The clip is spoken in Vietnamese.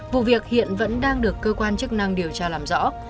vụ việc hiện vẫn đang được cơ quan chức năng điều tra làm rõ